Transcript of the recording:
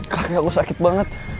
kaki aku sakit banget